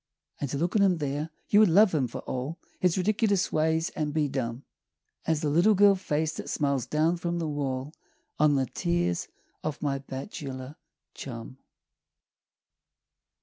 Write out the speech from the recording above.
And to look on him there you would love him, for all His ridiculous ways, and be dumb As the little girl face that smiles down from the wall On the tears of my bachelor chum.